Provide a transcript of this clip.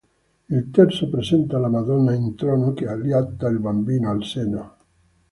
Il terzo presenta la Madonna in trono che allatta il Bambino al seno.